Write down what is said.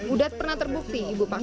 udat pernah terbukti ibu pak